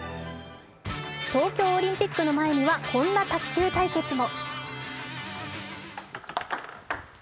東京オリンピックの前にはこんな卓球対決も。